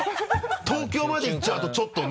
東京まで行っちゃうとちょっとね